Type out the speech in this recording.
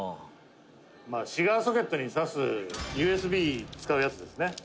「シガーソケットに挿すＵＳＢ使うやつですね」